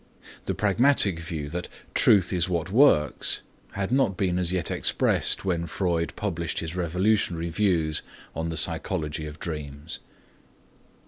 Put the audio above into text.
The pragmatic view that "truth is what works" had not been as yet expressed when Freud published his revolutionary views on the psychology of dreams.